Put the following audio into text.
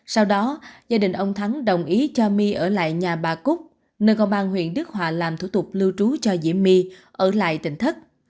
sau đó gia đình ông thắng đồng ý cho my ở lại nhà bà cúc nơi công an huyện đức hòa làm thủ tục lưu trú cho diễm my ở lại tỉnh thất